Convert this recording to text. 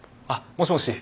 もしもし。